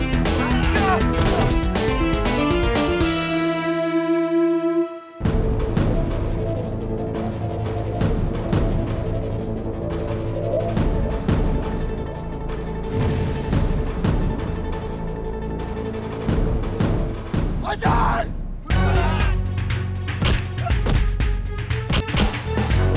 dia gak butuh